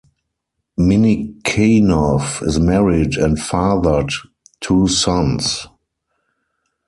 Minnikhanov is married and fathered two sons.